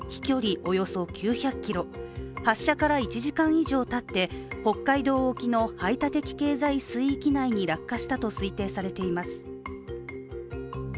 およそ９００ｋｍ発射から１時間以上たって北海道沖の排他的経済水域内に落下したと推定されています。